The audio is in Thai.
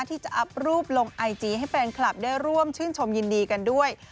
ที่จะอัพรูปลงไอจีให้แฟนคลับได้ร่วมชื่นชมยินดีกันด้วย